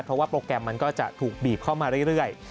เพราะว่าโปรแกรมมันก็จะถูกบีบเข้ามาเรื่อย